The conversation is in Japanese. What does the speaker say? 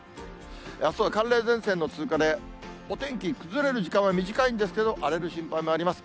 あすは寒冷前線の通過で、お天気崩れる時間は短いんですけど、荒れる心配もあります。